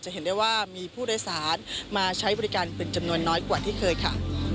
เห็นได้ว่ามีผู้โดยสารมาใช้บริการเป็นจำนวนน้อยกว่าที่เคยค่ะ